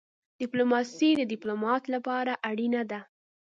ډيپلوماسي د ډيپلومات لپاره اړینه ده.